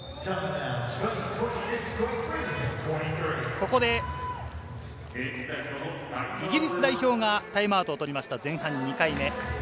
ここでイギリス代表がタイムアウトを取りました、前半２回目。